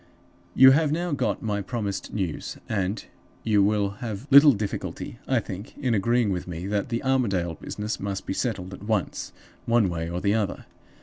"You have now got my promised news, and you will have little difficulty, I think, in agreeing with me that the Armadale business must be settled at once, one way or the other.